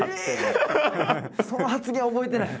その発言覚えてない？